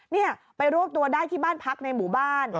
นี่ไปรวบตัวได้ที่บ้านพักในหมู่บ้าน